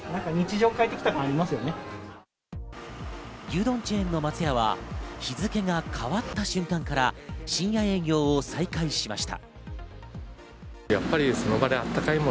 牛丼チェーンの松屋は日付が変わった瞬間から深夜営業を再開しました。